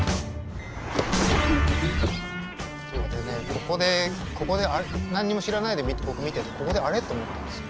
ここでここで何にも知らないで僕見ててここで「あれ？」と思ったんですよ。